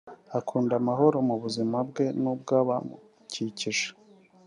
akunda amahoro mu buzima bwe n’ubw’abamukikije